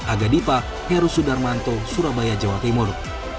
aga dipa heru sudarmanto surabaya jawa timur